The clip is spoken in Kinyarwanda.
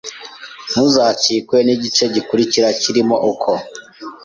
Ntuzacikwe n’igice gikurikira kirimo uko